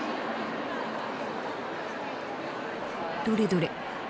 どれどれ。